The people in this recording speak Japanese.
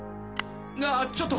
あちょっと！